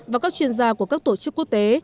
và các chuyên gia của các tổ chức quốc tế